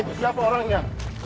itu siapa orangnya